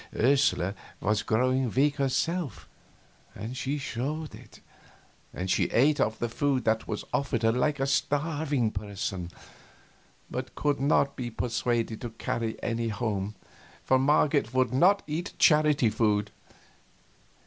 Ursula was growing weak herself, and showed it; and she ate of the food that was offered her like a starving person, but could not be persuaded to carry any home, for Marget would not eat charity food.